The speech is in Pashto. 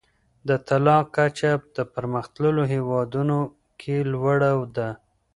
د طلاق کچه د پرمختللو هیوادونو کي لوړه ده.